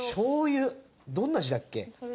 どんな字だっけ？